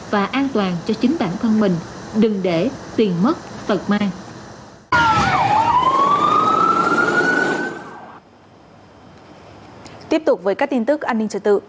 và an toàn cho chính bản thân mình đừng để tiền mất tật mang